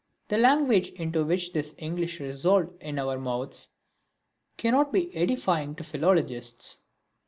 The language into which this English resolved itself in our mouths cannot but be edifying to philologists.